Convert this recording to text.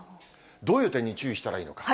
どういう点に注意したらいいのか。